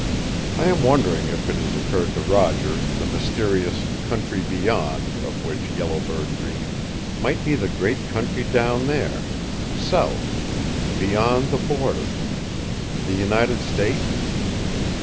I am wondering if it has occurred to Roger the mysterious 'Country Beyond' of which Yellow Bird dreamed might be the great country down there south BEYOND THE BORDER the United States?"